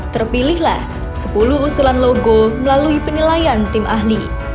terpilihlah sepuluh usulan logo melalui penilaian tim ahli